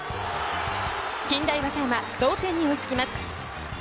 近大和歌山、同点に追いつきます。